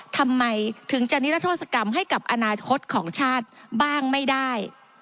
ทำไมถึงจะนิรัทธศกรรมให้กับอนาคตของชาติบ้างไม่ได้